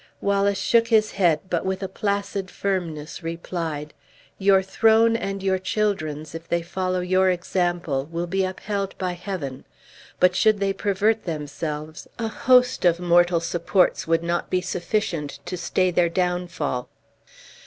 Wallace shook his head, but with a placid firmness replied: "Your throne and your children's, if they follow your example, will be upheld by Heaven; but should they pervert themselves, a host of mortal supports would not be sufficient to stay their downfall."